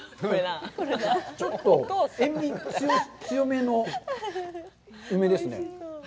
ちょっと塩味、強めの梅ですね。